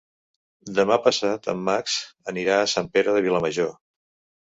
Demà passat en Max anirà a Sant Pere de Vilamajor.